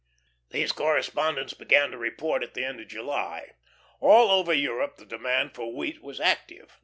These correspondents began to report at the end of July. All over Europe the demand for wheat was active.